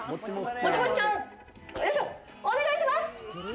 もちもちちゃん、お願いします！